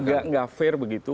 agak nggak fair begitu